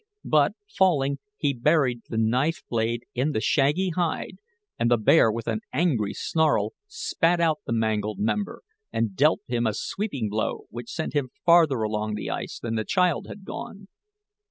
But, falling, he buried the knife blade in the shaggy hide, and the bear, with an angry snarl, spat out the mangled member and dealt him a sweeping blow which sent him farther along the ice than the child had gone.